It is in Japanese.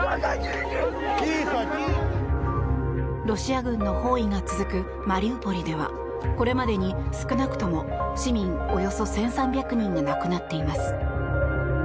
ロシア軍の包囲が続くマリウポリではこれまでに少なくとも市民およそ１３００人が亡くなっています。